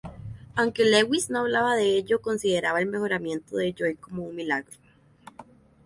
Aunque Lewis no hablaba de ello, consideraba el mejoramiento de Joy como un milagro.